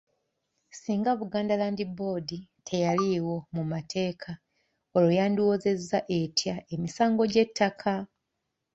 Singa Buganda Land Board teyaliiwo mu mateeka olwo yandiwozezza etya emisango gy'ettaka?